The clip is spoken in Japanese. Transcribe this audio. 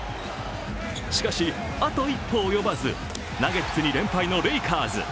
しかし、あと一歩及ばずナゲッツに連敗のレイカーズ。